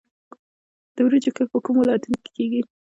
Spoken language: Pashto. د وریجو کښت په کومو ولایتونو کې کیږي؟